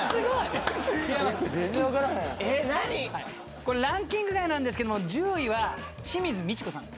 これランキング外なんですけども１０位は清水ミチコさんです。